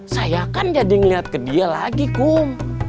saya kan jadi ngeliat ke dia lagi kum